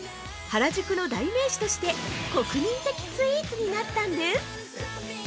原宿の代名詞として国民的スイーツになったんです。